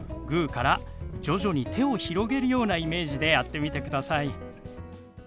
グーから徐々に手を広げるようなイメージでやってみてください。